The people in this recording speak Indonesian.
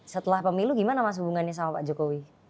setelah pemilu gimana mas hubungannya sama pak jokowi